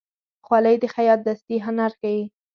خولۍ د خیاط دستي هنر ښيي.